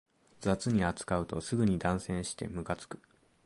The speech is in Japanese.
雑に扱うとすぐに断線してムカつく